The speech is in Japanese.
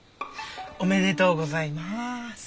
おめでとうございます。